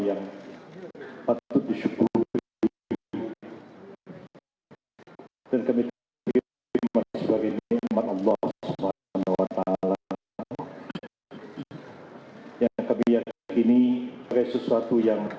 kepada pimpinan partai bulan bintang